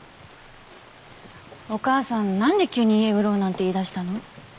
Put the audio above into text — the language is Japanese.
お母さん何で急に家売ろうなんて言いだしたの？